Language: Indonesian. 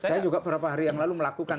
saya juga beberapa hari yang lalu melakukan